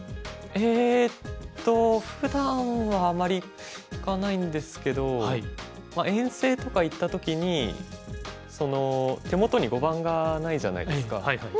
えっとふだんはあまり行かないんですけど遠征とか行った時に手元に碁盤がないじゃないですか。